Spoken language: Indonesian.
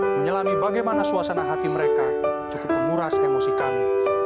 menyelami bagaimana suasana hati mereka cukup menguras emosi kami